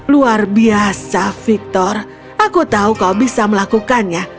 luar biasa victor aku tahu kau bisa melakukannya